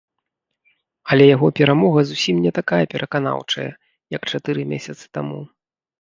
Але яго перамога зусім не такая пераканаўчая, як чатыры месяцы таму.